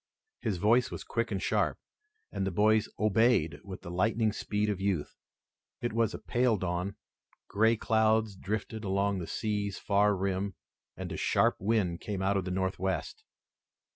His voice was quick and sharp, and the boys obeyed with the lightning speed of youth. It was a pale dawn. Gray clouds drifted along the sea's far rim, and a sharp wind came out of the Northwest.